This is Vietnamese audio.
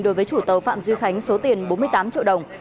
đối với chủ tàu phạm duy khánh số tiền bốn mươi tám triệu đồng